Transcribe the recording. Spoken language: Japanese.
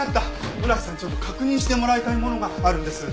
村木さんちょっと確認してもらいたいものがあるんです。